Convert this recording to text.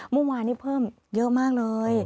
เมื่อวานนี้เพิ่มเยอะมากเลย